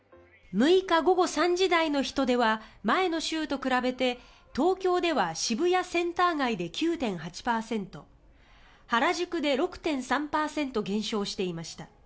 ６日午後３時台の人出は前の週と比べて東京では渋谷センター街で９．８％原宿で６．３％減少していました。